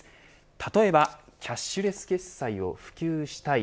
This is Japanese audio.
例えばキャッシュレス決済を普及したい